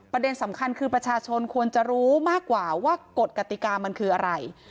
ประเด็นสำคัญคือประชาชนควรจะรู้มากกว่าว่ากฎกติกามันคืออะไร